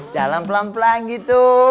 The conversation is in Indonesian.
jalan pelan pelan gitu